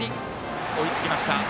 追いつきました。